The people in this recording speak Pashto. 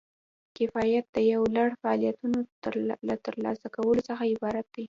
کفایت د یو لړ فعالیتونو له ترسره کولو څخه عبارت دی.